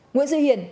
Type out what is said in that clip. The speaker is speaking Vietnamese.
nguyễn duy hiển